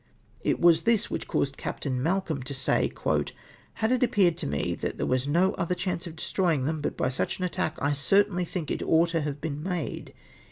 It was this which caused Captain Malcolm to say, " Had it appeared to me that there was no other chance of destroying them, but by such an attack, / certainly think it ought to have been made.''